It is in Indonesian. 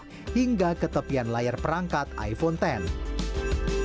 atau bagian bawah yang terlihat terlihat terlihat terlihat terlihat terlihat terlihat terlihat